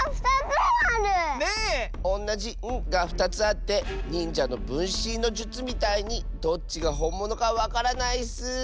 おんなじ「ん」が２つあってにんじゃのぶんしんのじゅつみたいにどっちがほんものかわからないッス！